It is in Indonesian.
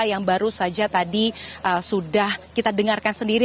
yang baru saja tadi sudah kita dengarkan sendiri